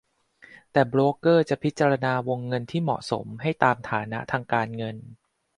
แต่โบรกเกอร์จะพิจารณาวงเงินที่เหมาะสมให้ตามฐานะทางการเงิน